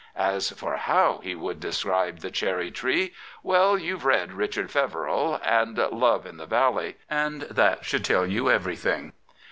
And as for how he would describe the cherry tree ,.. well, you've read Richard Feverel and * Love in the Valley,' and that should tell you everything."